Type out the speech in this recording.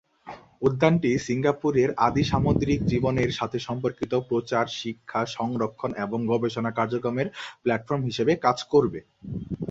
উদ্যানটি সিঙ্গাপুরের আদি সামুদ্রিক জীবনের সাথে সম্পর্কিত, প্রচার, শিক্ষা, সংরক্ষণ এবং গবেষণা কার্যক্রমের প্ল্যাটফর্ম হিসাবে কাজ করবে।